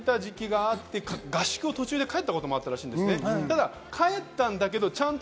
合宿を途中で帰ったこともあったそうです。